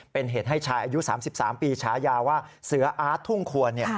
เป็นเหตุให้ชายอายุ๓๓ปีฉายาว่าเสืออาร์ตทุ่งควร